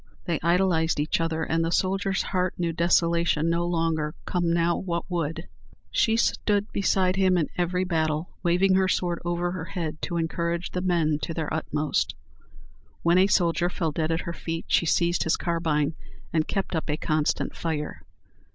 They idolized each other; and the soldier's heart knew desolation no longer, come now what would. She stood beside him in every battle, waving her sword over her head to encourage the men to their utmost. When a soldier fell dead at her feet, she seized his carbine, and kept up a constant fire.